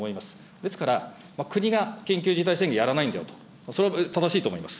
ですから、国が緊急事態宣言をやらないんだよと、それは正しいと思います。